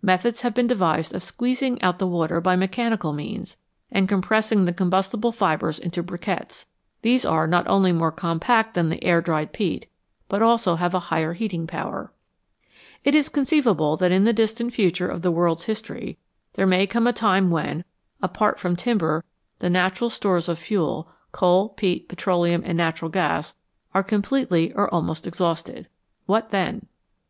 Methods have been devised of squeezing out the water by mechanical means, and compressing the combustible fibres into briquettes ; these are not only more compact than the air dried peat, but have also a higher heating power. It is conceivable that in the distant future of the world's history there may come a time when, apart from timber, the natural stores of fuel coal, peat, petroleum, and natural gas are completely or almost exhausted. What then ?